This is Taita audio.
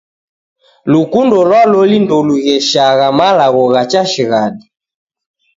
Lukundo lwa loli ndolugheshagha malagho gha cha shighadi.